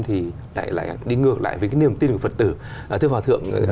thì lại đi ngược lại với cái niềm tin của phật tử thưa hòa thượng